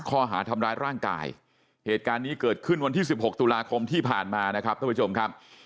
ข้อหาทำร้ายร่างกายเหตุการณ์นี้เกิดขึ้นวันที่๑๖ตุลาคมที่ผ่านมานะครับท่านผู้ชมครับ